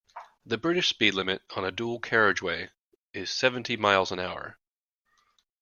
The British speed limit on a dual carriageway is seventy miles an hour